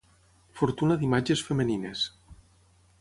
Fortuna d'imatges femenines.